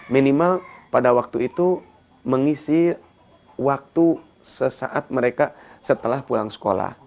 minimal pada waktu itu mengisi waktu sesaat mereka setelah pulang sekolah